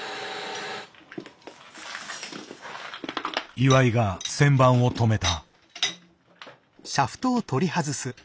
岩井が旋盤を止めた。